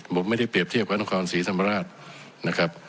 ผมไม่ได้เปรียบเทียบกับตุนครองอันศรีศมราช